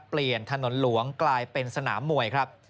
เปลี่ยนถนนหลวงกลายเป็นสนามมวยครับ